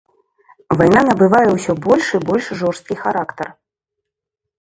Вайна набывае ўсё больш і больш жорсткі характар.